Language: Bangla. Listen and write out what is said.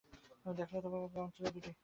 দেখলে তো বাবা, কেমন ছেলে দুটি?